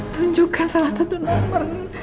tunjukkan salah satu nomor